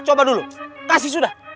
coba dulu kasih sudah